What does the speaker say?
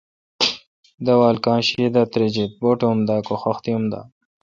داول کاں شی دا تریجیت، باٹ اُم دہ کہ خختی ام دا۔